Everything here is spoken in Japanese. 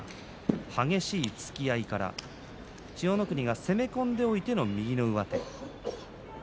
激しい突き合いから千代の国が攻め込んでおいての右の上手。